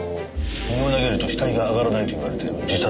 身を投げると死体が上がらないと言われてる自殺の穴場です。